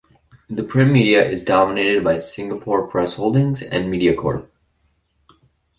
The print media is dominated by Singapore Press Holdings and MediaCorp.